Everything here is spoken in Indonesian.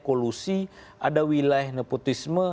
kolusi ada wilayah nepotisme